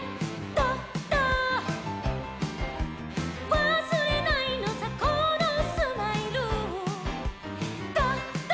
「わすれないのさこのスマイル」「ドド」